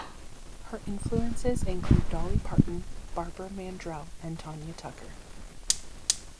Her influences include Dolly Parton, Barbara Mandrell and Tanya Tucker.